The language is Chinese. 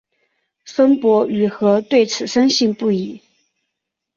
孙傅与何对此深信不疑。